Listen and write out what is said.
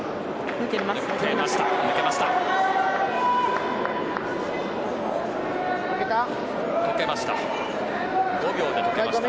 抜けました。